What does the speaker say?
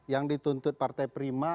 yang dituntut partai prima